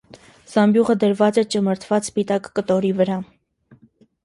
Զամբյուղը դրված է ճմրթված սպիտակ կտորի վրա։